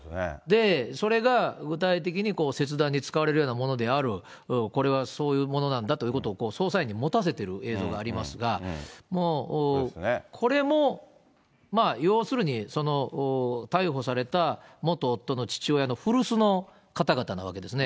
それが具体的に切断に使われるようなものである、これはそういうものなんだということを、捜査員に持たせてる映像がありますが、これも、要するに逮捕された、元夫の父親の古巣の方々なわけですね。